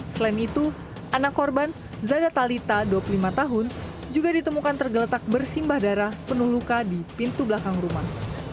selain itu anak korban zada talita dua puluh lima tahun juga ditemukan tergeletak bersimbah darah penuh luka di pintu belakang rumah